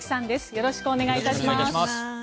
よろしくお願いします。